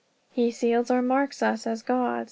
He seals or marks us as God's.